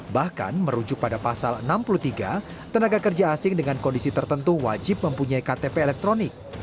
bahkan merujuk pada pasal enam puluh tiga tenaga kerja asing dengan kondisi tertentu wajib mempunyai ktp elektronik